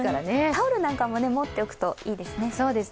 タオルなんかも持っておくといいですね。